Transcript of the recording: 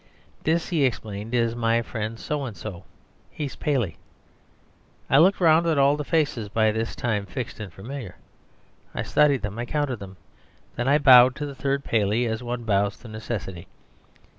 "This," he explained, "is my friend So and So. He's Paley." I looked round at all the faces by this time fixed and familiar; I studied them; I counted them; then I bowed to the third Paley as one bows to necessity.